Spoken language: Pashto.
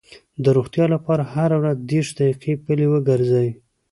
د روغتیا لپاره هره ورځ دېرش دقیقې پلي وګرځئ.